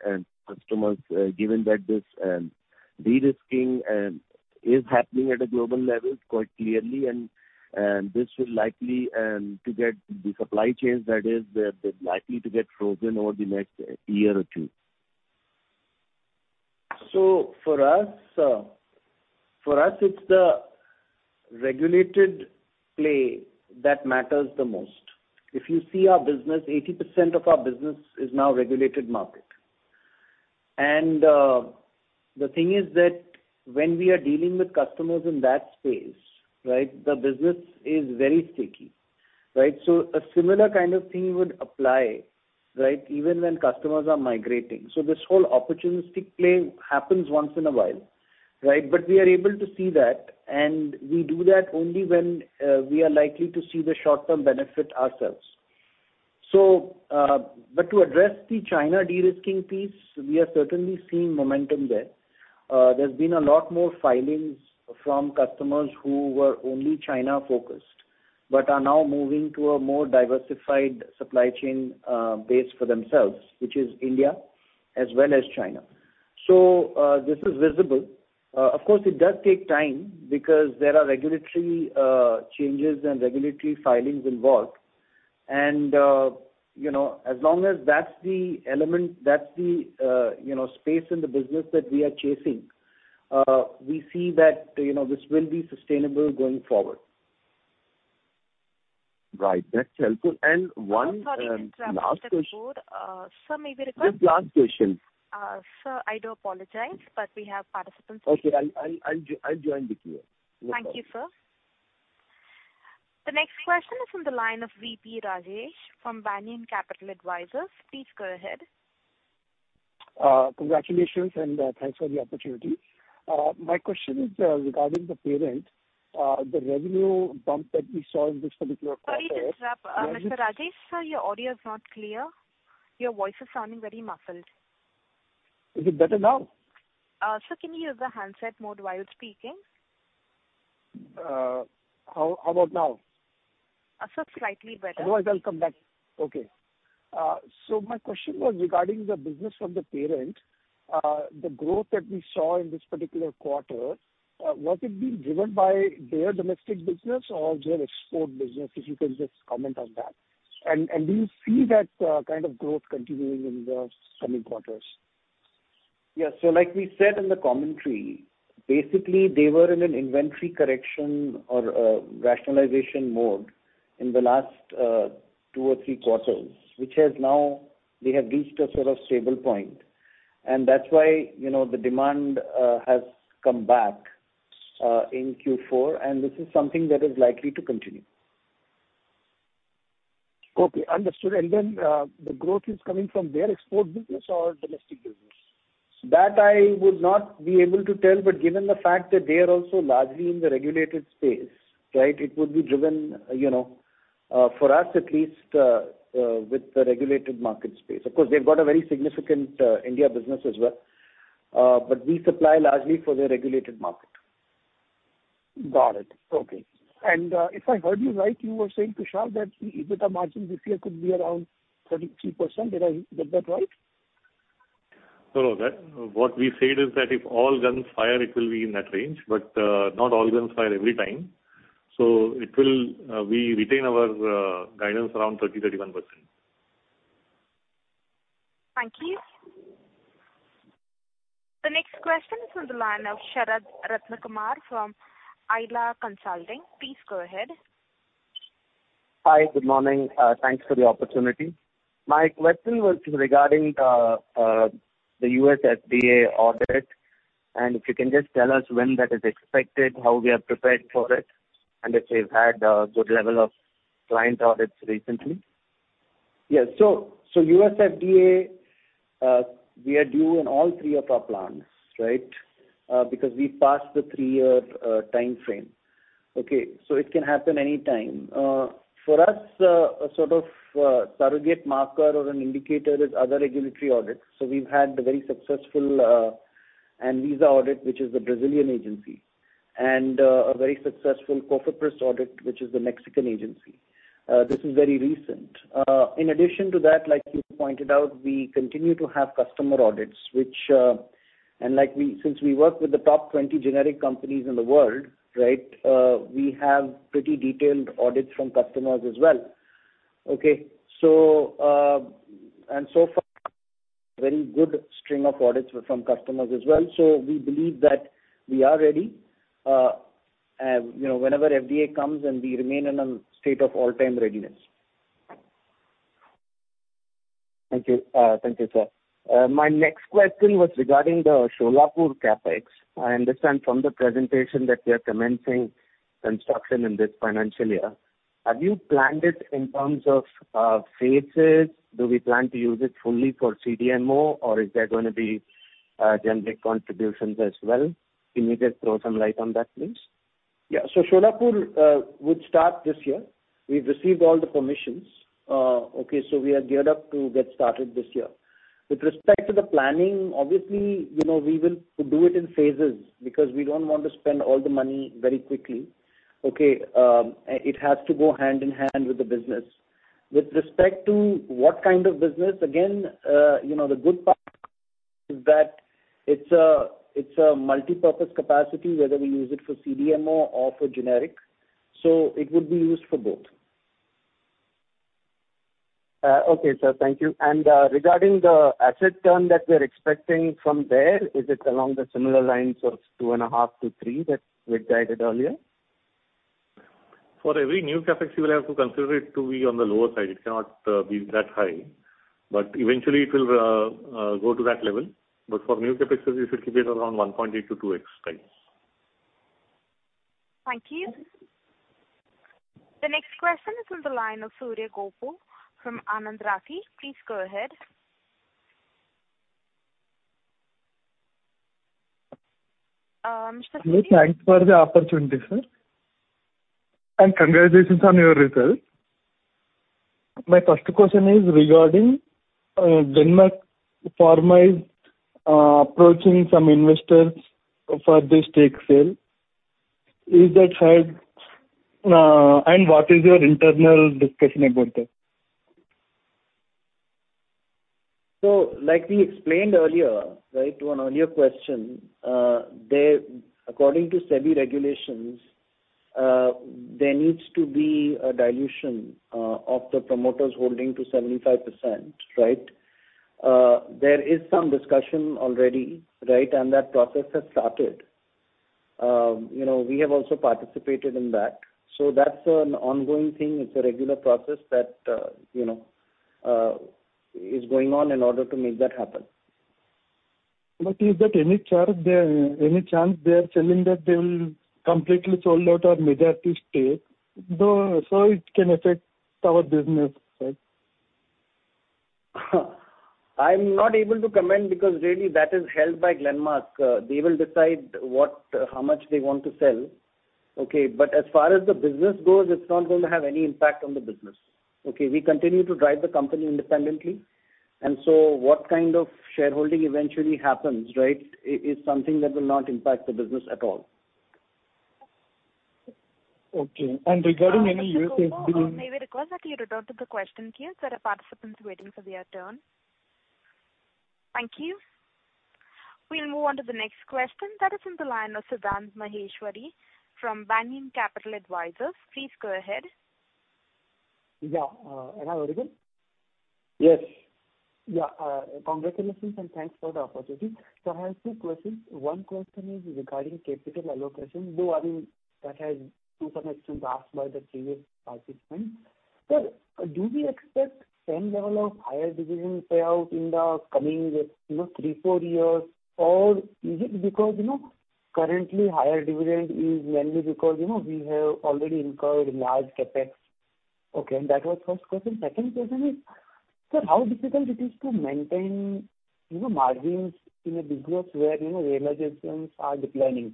customers, given that this de-risking is happening at a global level quite clearly and this will likely to get the supply chains that is, they're likely to get frozen over the next year or two? For us, it's the regulated play that matters the most. If you see our business, 80% of our business is now regulated market. The thing is that when we are dealing with customers in that space, right, the business is very sticky, right? A similar kind of thing would apply, right, even when customers are migrating. This whole opportunistic play happens once in a while, right? We are able to see that, and we do that only when we are likely to see the short-term benefit ourselves. To address the China de-risking piece, we are certainly seeing momentum there. There's been a lot more filings from customers who were only China-focused, but are now moving to a more diversified supply chain base for themselves, which is India as well as China. This is visible. Of course, it does take time because there are regulatory changes and regulatory filings involved. You know, as long as that's the element, that's the, you know, space in the business that we are chasing, we see that, you know, this will be sustainable going forward. Right. That's helpful. I'm sorry to interrupt, Mr. Gaur. sir, may we request-. Just last question. Sir, I do apologize, but we have participants waiting. Okay. I'll join the queue. No problem. Thank you, sir. The next question is from the line of VP Rajesh from Banyan Capital Advisors. Please go ahead. Congratulations and thanks for the opportunity. My question is regarding the parent, the revenue bump that we saw in this particular quarter- Sorry to interrupt. Mr. Rajesh, sir, your audio is not clear. Your voice is sounding very muffled. Is it better now? Sir, can you use the handset mode while speaking? How about now? Sir, slightly better. Otherwise I'll come back. Okay. My question was regarding the business of the parent, the growth that we saw in this particular quarter, was it being driven by their domestic business or their export business? If you can just comment on that. Do you see that kind of growth continuing in the coming quarters? Yeah. Like we said in the commentary, basically they were in an inventory correction or a rationalization mode in the last, two or three quarters, which has now they have reached a sort of stable point. That's why, you know, the demand has come back in Q4, and this is something that is likely to continue. Okay, understood. Then, the growth is coming from their export business or domestic business? That I would not be able to tell, but given the fact that they are also largely in the regulated space, right, it would be driven, you know, for us at least, with the regulated market space. Of course, they've got a very significant India business as well. We supply largely for the regulated market. Got it. Okay. If I heard you right, you were saying, Tushar, that the EBITDA margins this year could be around 33%. Did I get that right? That, what we said is that if all guns fire, it will be in that range, but, not all guns fire every time. We retain our guidance around 30%-31%. Thank you. The next question is on the line of Sharadh Ratnakumar from Eila Consulting. Please go ahead. Hi. Good morning. Thanks for the opportunity. My question was regarding the US FDA audit, and if you can just tell us when that is expected, how we are prepared for it, and if we've had a good level of client audits recently. Yes. US FDA, we are due in all three of our plants, right? Because we passed the three year timeframe. It can happen anytime. For us, a sort of surrogate marker or an indicator is other regulatory audits. We've had a very successful Anvisa audit, which is the Brazilian agency, and a very successful Cofepris audit, which is the Mexican agency. This is very recent. In addition to that, like you pointed out, we continue to have customer audits, which, and like we since we work with the top 20 generic companies in the world, right, we have pretty detailed audits from customers as well. So far, very good string of audits from customers as well. We believe that we are ready, you know, whenever FDA comes and we remain in a state of all-time readiness. Thank you. Thank you, sir. My next question was regarding the Solapur CapEx. I understand from the presentation that we are commencing construction in this financial year. Have you planned it in terms of phases? Do we plan to use it fully for CDMO or is there gonna be generic contributions as well? Can you just throw some light on that, please? Solapur would start this year. We've received all the permissions. We are geared up to get started this year. The planning, obviously, you know, we will do it in phases because we don't want to spend all the money very quickly, okay. It has to go hand in hand with the business. What kind of business, you know, the good part is that it's a, it's a multipurpose capacity, whether we use it for CDMO or for generic, so it would be used for both. Okay, sir. Thank you. Regarding the asset turn that we're expecting from there, is it along the similar lines of 2.5-3 that we'd guided earlier? For every new CapEx, you will have to consider it to be on the lower side. It cannot be that high. Eventually it will go to that level. For new CapExes, you should keep it around 1.8x-2x times. Thank you. The next question is on the line of Surya Gopu from Anand Rathi. Please go ahead. Mr. Goku. Thanks for the opportunity, sir, and congratulations on your results. My first question is regarding Glenmark Pharmaceuticals approaching some investors for the stake sale. Is that right? What is your internal discussion about that? Like we explained earlier, right, to an earlier question, there according to SEBI regulations, there needs to be a dilution of the promoters holding to 75%, right? There is some discussion already, right? That process has started. you know, we have also participated in that. That's an ongoing thing. It's a regular process that, you know, is going on in order to make that happen. Is that any chance they are selling that they will completely sold out or majority stake, though, it can affect our business, right? I'm not able to comment because really that is held by Glenmark. They will decide what, how much they want to sell. Okay. As far as the business goes, it's not going to have any impact on the business. Okay. We continue to drive the company independently. What kind of shareholding eventually happens, right, is something that will not impact the business at all. Okay. regarding any USA... Mr. Goku, may we request that you return to the question queue? There are participants waiting for their turn. Thank you. We'll move on to the next question. That is on the line of Siddhant Maheshwari from Banyan Capital Advisors. Please go ahead. Yeah. Hello, everyone. Yes. Congratulations and thanks for the opportunity. I have two questions. One question is regarding capital allocation. Though, I mean, that has to some extent been asked by the previous participant. Sir, do we expect same level of higher dividend payout in the coming, you know, 3-4 years? Or is it because, you know, currently higher dividend is mainly because, you know, we have already incurred large CapEx. That was first question. Second question is, sir, how difficult it is to maintain, you know, margins in a business where, you know, realizations are declining.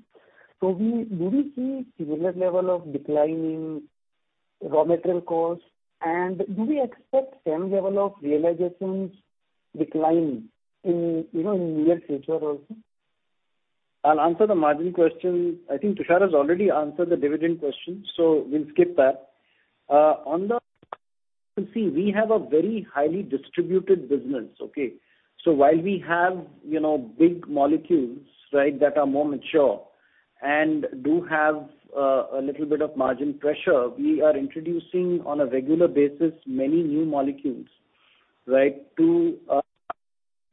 Do we see similar level of decline in raw material costs, and do we expect same level of realizations decline in, you know, in near future also? I'll answer the margin question. I think Tushar has already answered the dividend question. We'll skip that. We have a very highly distributed business. Okay? While we have, you know, big molecules, right, that are more mature and do have a little bit of margin pressure, we are introducing on a regular basis many new molecules, right, to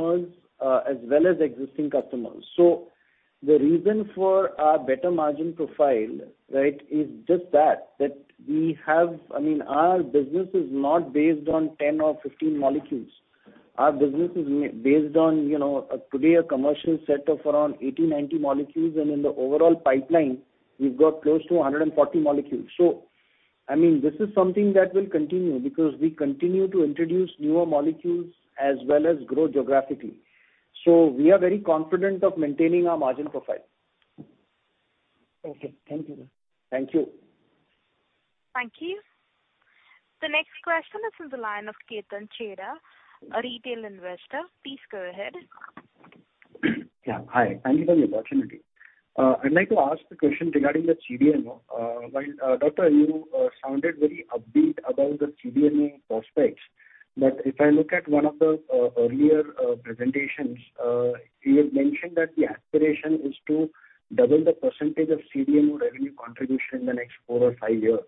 as well as existing customers. The reason for our better margin profile, right, is just that we have... I mean, our business is not based on 10 or 15 molecules. Our business is based on, you know, today a commercial set of around 80, 90 molecules, and in the overall pipeline we've got close to 140 molecules. I mean, this is something that will continue because we continue to introduce newer molecules as well as grow geographically. We are very confident of maintaining our margin profile. Okay. Thank you. Thank you. Thank you. The next question is from the line of Ketan Chheda, a retail investor. Please go ahead. Yeah, hi. Thank you for the opportunity. I'd like to ask the question regarding the CDMO. While Dr. Rawjee sounded very upbeat about the CDMO prospects, but if I look at one of the earlier presentations, you had mentioned that the aspiration is to double the percentage of CDMO revenue contribution in the next four or five years.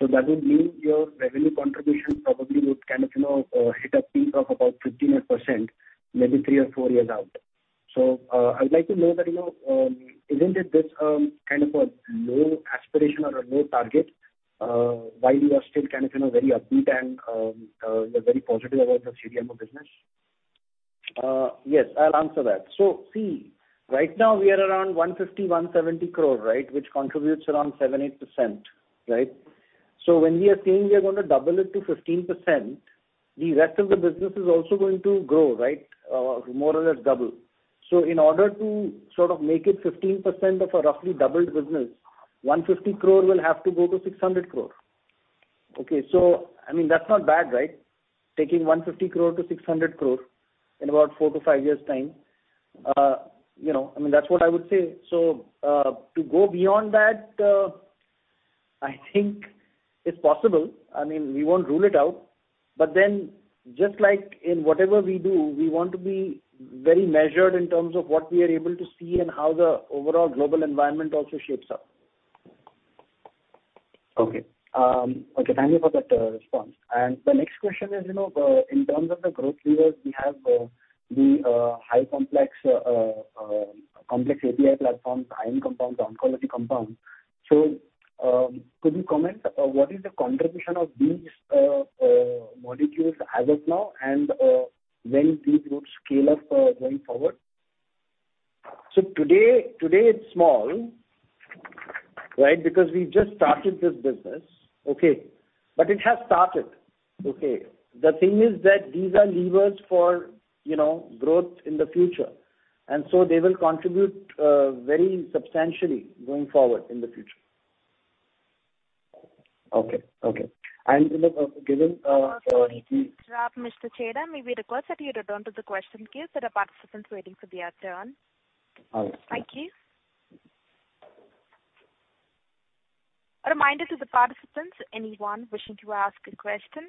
That would mean your revenue contribution probably would kind of, you know, hit a peak of about 15% maybe three or four years out. I'd like to know that, you know, isn't it this kind of a low aspiration or a low target, while you are still kind of, you know, very upbeat and you're very positive about the CDMO business? Yes, I'll answer that. See, right now we are around 150-170 crore, right, which contributes around 7-8%, right? When we are saying we are gonna double it to 15%, the rest of the business is also going to grow, right? More or less double. In order to sort of make it 15% of a roughly doubled business, 150 crore will have to go to 600 crore. Okay, I mean, that's not bad, right? Taking 150 crore to 600 crore in about 4-5 years' time. You know, I mean, that's what I would say. To go beyond that, I think it's possible. I mean, we won't rule it out, but then just like in whatever we do, we want to be very measured in terms of what we are able to see and how the overall global environment also shapes up. Okay. Okay, thank you for that response. The next question is, you know, in terms of the growth levers, we have the high complex complex API platforms, pipeline compounds, oncology compounds. Could you comment what is the contribution of these molecules as of now and when these would scale up going forward? Today, it's small, right? Because we just started this business. Okay. It has started, okay. The thing is that these are levers for, you know, growth in the future, and so they will contribute very substantially going forward in the future. Okay. Okay. you know, given Mr. Chheda, may we request that you return to the question queue? There are participants waiting for their turn. All right. Thank you. A reminder to the participants, anyone wishing to ask a question,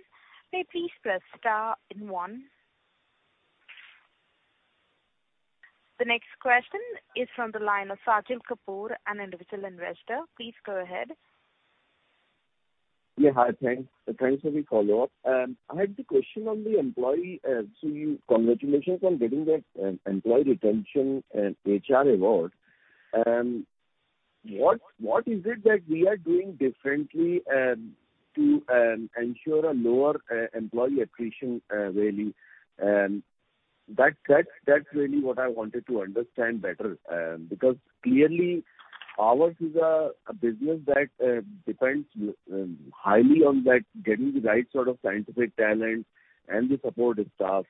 may please press star and one. The next question is from the line of Sajal Kapoor, an individual investor. Please go ahead. Hi. Thanks. Thanks for the follow-up. I had the question on the employee. Congratulations on getting that employee retention and HR award. What is it that we are doing differently to ensure a lower employee attrition, really? That's really what I wanted to understand better because clearly ours is a business that depends highly on that getting the right sort of scientific talent and the supportive staff.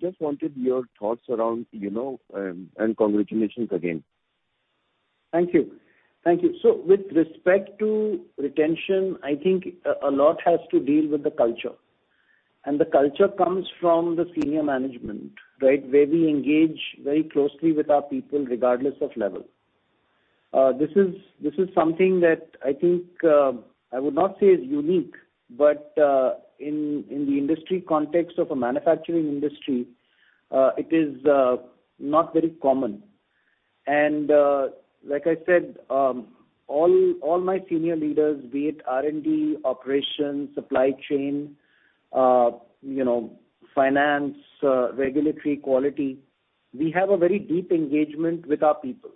Just wanted your thoughts around, you know, and congratulations again. Thank you. Thank you. With respect to retention, I think a lot has to deal with the culture. The culture comes from the senior management, right, where we engage very closely with our people, regardless of level. This is something that I think I would not say is unique, but in the industry context of a manufacturing industry, it is not very common. Like I said, all my senior leaders, be it R&D, operations, supply chain, you know, finance, regulatory quality, we have a very deep engagement with our people.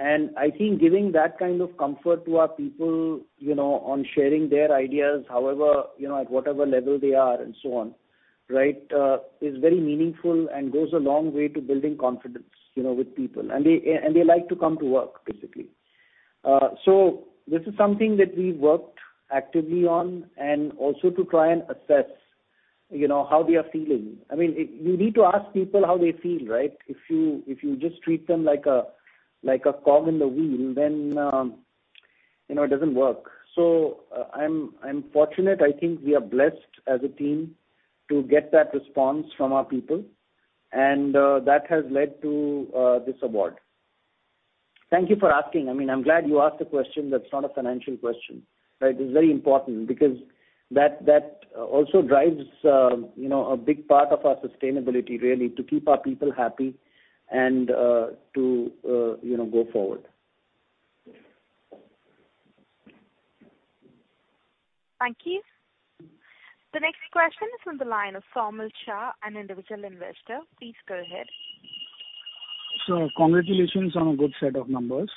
I think giving that kind of comfort to our people, you know, on sharing their ideas however, you know, at whatever level they are and so on, right, is very meaningful and goes a long way to building confidence, you know, with people. They like to come to work, basically. This is something that we worked actively on and also to try and assess, you know, how they are feeling. I mean, you need to ask people how they feel, right? If you just treat them like a, like a cog in the wheel, then, you know, it doesn't work. I'm fortunate, I think we are blessed as a team to get that response from our people, and that has led to this award. Thank you for asking. I mean, I'm glad you asked a question that's not a financial question, right? It's very important because that also drives, you know, a big part of our sustainability really to keep our people happy and, to, you know, go forward. Thank you. The next question is from the line of Saumil Shah, an individual investor. Please go ahead. Congratulations on a good set of numbers.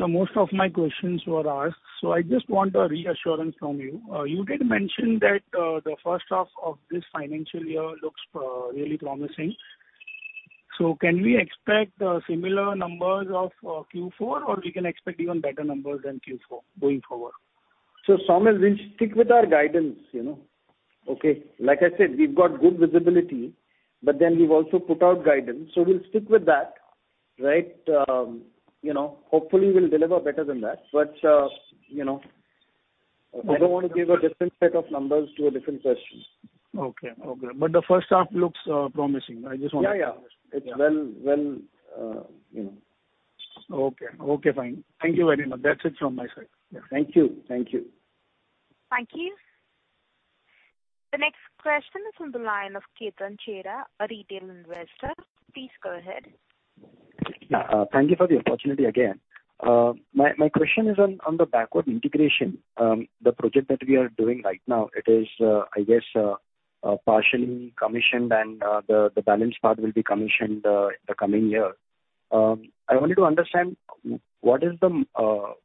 Most of my questions were asked, so I just want a reassurance from you. You did mention that the first half of this financial year looks really promising. Can we expect similar numbers of Q4 or we can expect even better numbers than Q4 going forward? Somil, we'll stick with our guidance, you know? Okay. Like I said, we've got good visibility, we've also put out guidance, we'll stick with that, right. you know, hopefully we'll deliver better than that. you know, I don't wanna give a different set of numbers to a different question. Okay. The first half looks promising. Yeah, yeah. Understand. It's well, you know. Okay. Okay, fine. Thank you very much. That's it from my side. Yeah. Thank you. Thank you. Thank you. The next question is from the line of Ketan Cheera, a retail investor. Please go ahead. Yeah. Thank you for the opportunity again. My question is on the backward integration. The project that we are doing right now, it is I guess partially commissioned and the balance part will be commissioned in the coming year. I wanted to understand what is the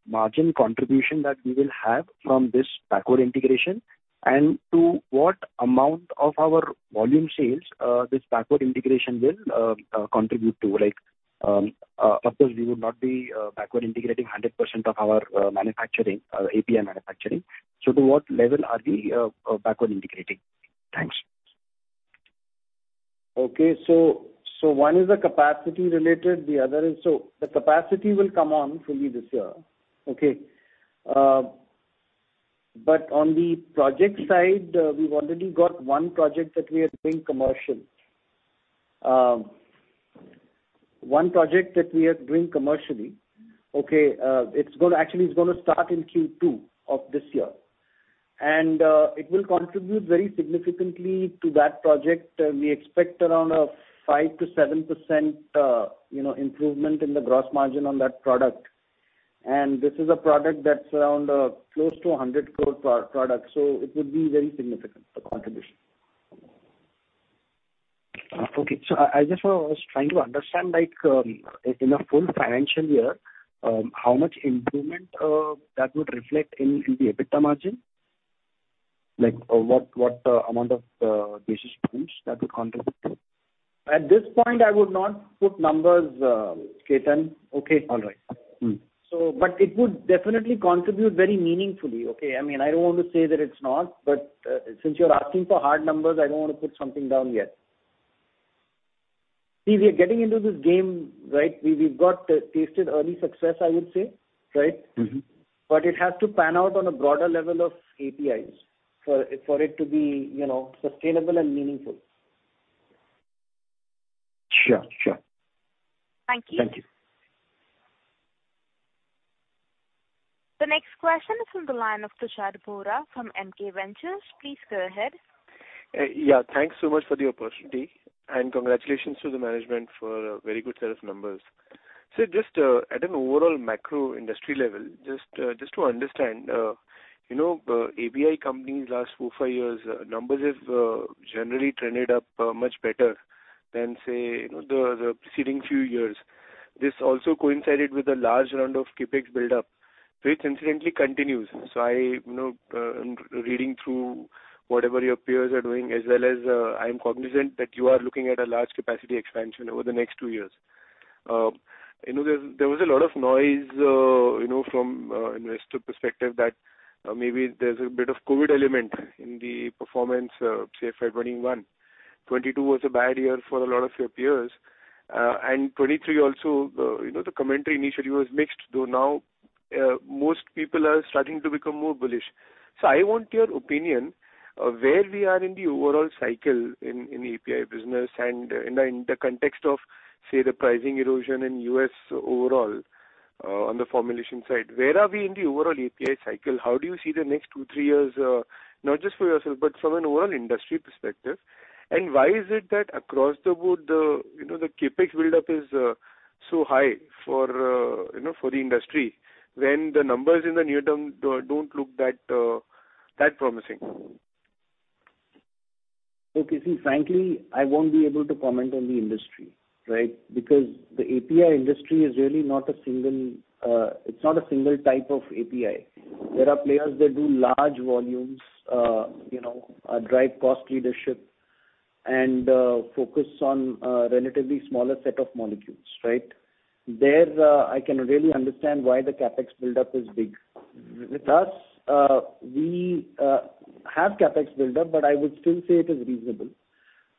margin contribution that we will have from this backward integration and to what amount of our volume sales this backward integration will contribute to, like, of course we would not be backward integrating 100% of our manufacturing API manufacturing. To what level are we backward integrating? Thanks. Okay. One is the capacity related, the other is... The capacity will come on fully this year. Okay. On the project side, we've already got one project that we are doing commercial. One project that we are doing commercially, okay, Actually it's gonna start in Q2 of this year, and it'll contribute very significantly to that project. We expect around a 5%-7%, you know, improvement in the gross margin on that product. This is a product that's around close to an 100 crore product, so it would be very significant, the contribution. Okay. I just was trying to understand like, in a full financial year, how much improvement that would reflect in the EBITDA margin. Like what amount of basis points that would contribute to? At this point, I would not put numbers, Ketan. Okay? All right. But it would definitely contribute very meaningfully, okay? I mean, I don't want to say that it's not, but, since you're asking for hard numbers, I don't wanna put something down yet. We are getting into this game, right? We've got, tasted early success, I would say, right? Mm-hmm. It has to pan out on a broader level of APIs for it to be, you know, sustainable and meaningful. Sure. Sure. Thank you. Thank you. The next question is from the line of Tushar Bohra from MKVentures. Please go ahead. Yeah, thanks so much for the opportunity and congratulations to the management for a very good set of numbers. Just at an overall macro industry level, just to understand, you know, API companies last four, five years, numbers have generally trended up much better than say, you know, the preceding few years. This also coincided with a large round of CapEx buildup, which incidentally continues. I, you know, reading through whatever your peers are doing as well as, I'm cognizant that you are looking at a large capacity expansion over the next two years. You know, there was a lot of noise, you know, from investor perspective that maybe there's a bit of COVID element in the performance, say, FY 2021. 2022 was a bad year for a lot of your peers. 2023 also, you know, the commentary initially was mixed, though now, most people are starting to become more bullish. I want your opinion of where we are in the overall cycle in API business and in the, in the context of, say, the pricing erosion in U.S. overall, on the formulation side. Where are we in the overall API cycle? How do you see the next two, three years, not just for yourself but from an overall industry perspective? Why is it that across the board, you know, the CapEx buildup is so high for, you know, for the industry when the numbers in the near term don't look that promising? Okay. See, frankly, I won't be able to comment on the industry, right? Because the API industry is really not a single, it's not a single type of API. There are players that do large volumes, you know, drive cost leadership and focus on relatively smaller set of molecules, right? There, I can really understand why the CapEx buildup is big. With us, we have CapEx buildup, but I would still say it is reasonableRight.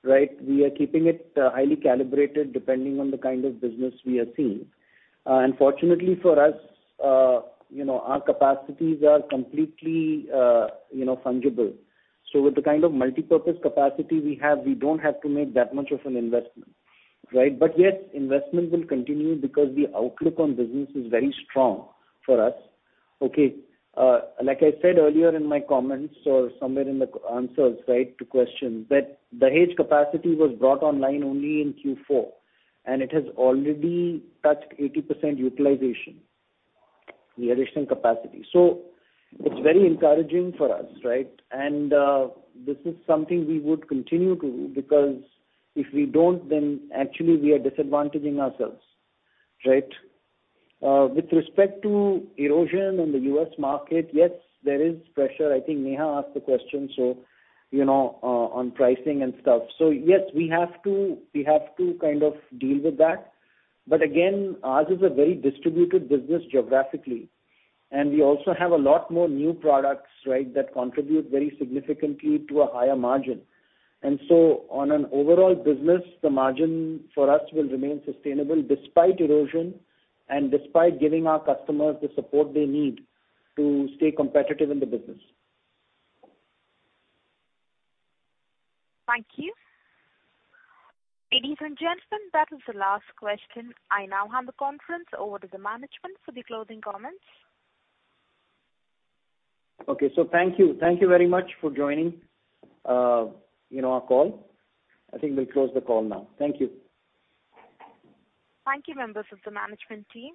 We are keeping it highly calibrated depending on the kind of business we are seeing. Fortunately for us, you know, our capacities are completely, you know, fungible. With the kind of multipurpose capacity we have, we don't have to make that much of an investment, right? Yes, investment will continue because the outlook on business is very strong for us. Okay. Like I said earlier in my comments or somewhere in the answers, right, to questions that the hedge capacity was brought online only in Q4, and it has already touched 80% utilization, the additional capacity. It's very encouraging for us, right? And this is something we would continue to do because if we don't then actually we are disadvantaging ourselves, right? With respect to erosion in the U.S. market, yes, there is pressure. I think Neha asked the question, you know, on pricing and stuff. Yes, we have to kind of deal with that. Again, ours is a very distributed business geographically, and we also have a lot more new products, right, that contribute very significantly to a higher margin. On an overall business, the margin for us will remain sustainable despite erosion and despite giving our customers the support they need to stay competitive in the business. Thank you. Ladies and gentlemen, that is the last question. I now hand the conference over to the management for the closing comments. Okay. Thank you. Thank you very much for joining, you know, our call. I think we'll close the call now. Thank you. Thank you, members of the management team.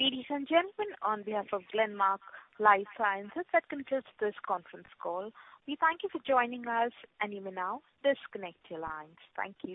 Ladies and gentlemen, on behalf of Glenmark Life Sciences, that concludes this conference call. We thank you for joining us and you may now disconnect your lines. Thank you.